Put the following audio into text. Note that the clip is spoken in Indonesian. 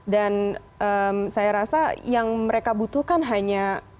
dan saya rasa yang mereka butuhkan hanya